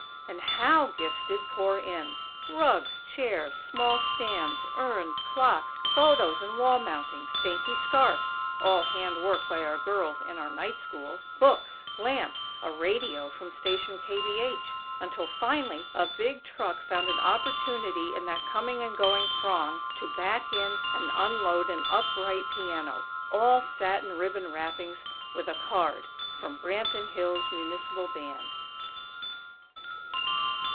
And how gifts did pour in!! Rugs, chairs, small stands, urns, clocks, photos in wall mountings, dainty scarfs (all handwork by our girls in our Night School), books, lamps, a "radio" from Station KBH, until, finally, a big truck found an opportunity in that coming and going throng to back in and unload an upright piano, all satin ribbon wrappings, with a card: "From Branton Hills' Municipal Band."